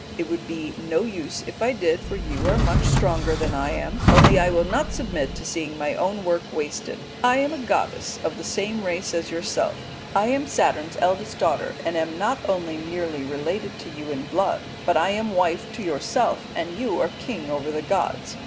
It would be no use if I did, for you are much stronger than I am, only I will not submit to seeing my own work wasted. I am a goddess of the same race as yourself. I am Saturn's eldest daughter and am not only nearly related to you in blood, but I am wife to yourself, and you are king over the gods.